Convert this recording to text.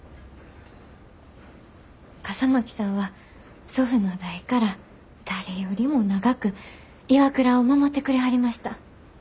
笠巻さんは祖父の代から誰よりも長くＩＷＡＫＵＲＡを守ってくれはりました。